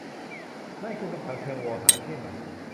นั่นคือคำถามเชิงโวหารใช่ไหม ?